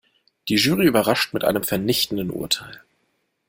Die Jury überrascht mit einem vernichtenden Urteil.